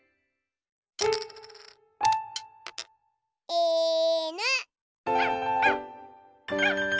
いぬ！